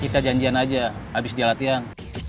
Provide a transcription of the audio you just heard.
kita janjian aja abis dia lapihan